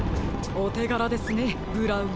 おてがらですねブラウン。